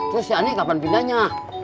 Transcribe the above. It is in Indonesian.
terus si ani kapan pindahnya